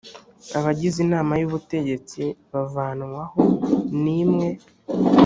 abagize inama y ubutegetsi bavanwaho n imwe